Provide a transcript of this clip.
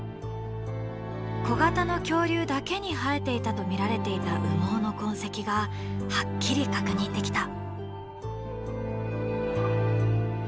小型の恐竜だけに生えていたと見られていた羽毛の痕跡がはっきり確認できた。